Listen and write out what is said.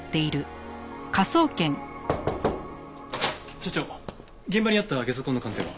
所長現場にあったゲソ痕の鑑定は？